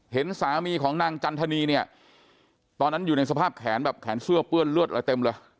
เห็นสามีของนางจันทนีเนี่ยตอนนั้นอยู่ในสภาพแขนแบบแขนเสื้อเปื้อนเลือดอะไรเต็มเลย